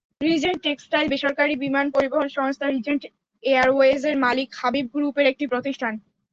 Regent Textile বেসরকারি বিমান পরিবহন সংস্থা রিজেন্ট এয়ারওয়েজের মালিক হাবিব গ্রুপের একটি প্রতিষ্ঠান।